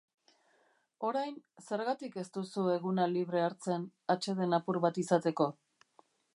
Orain, zergatik ez duzu eguna libre hartzen, atseden apur bat izateko?